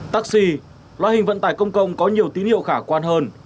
taxi loại hình vận tải công cộng có nhiều tín hiệu khả quan hơn